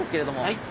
はい。